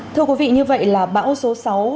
thưa quý vị như vậy là bão số sáu